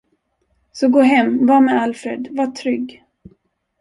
Så gå hem, var med Alfred, var trygg.